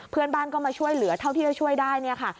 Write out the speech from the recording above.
เพื่อนบ้านก็มาช่วยเหลือเท่าที่จะช่วยได้เนี่ยค่ะ